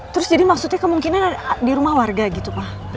terus jadi maksudnya kemungkinan di rumah warga gitu pak